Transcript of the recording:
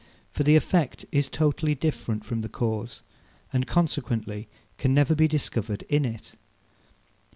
For the effect is totally different from the cause, and consequently can never be discovered in it.